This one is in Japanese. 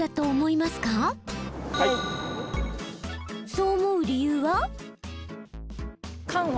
そう思う理由は？